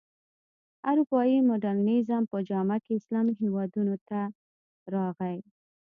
اروپايي مډرنیزم په جامه کې اسلامي هېوادونو ته راغی.